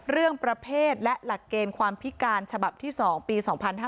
เรื่องประเภทและหลักเกณฑ์ความพิการฉบับที่๒ปี๒๕๕๙